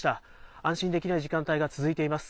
安心できない時間帯が続いています。